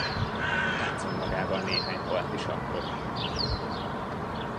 Játszom magával néhány parti sakkot.